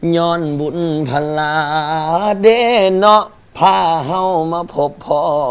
ย้อนบุญพลาเด้เนาะพาเห่ามาพบพ่อ